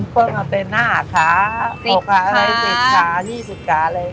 เพิ่มมาเป็น๕ขา๑๐ขา๒๐ขาเลย